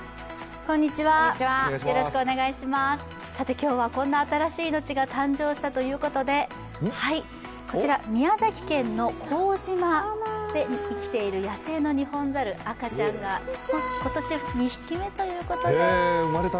今日はこんな新しい命が誕生したということでこちら、宮崎県の幸島で生きている野生のニホンザル、赤ちゃんが、今年２匹目ということで。